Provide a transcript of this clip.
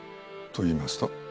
といいますと？